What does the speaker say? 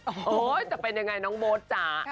โอ้โหจะเป็นยังไงน้องโบ๊ทจ๋า